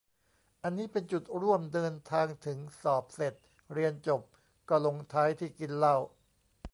อันนี้เป็นจุดร่วม เดินทางถึง สอบเสร็จ เรียนจบ ก็ลงท้ายที่ กินเหล้า !